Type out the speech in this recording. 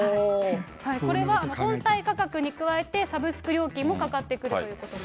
これは本体価格に加えてサブスク料金もかかってくるというこ